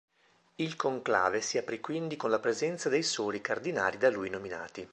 Il conclave si aprì quindi con la presenza dei soli cardinali da lui nominati.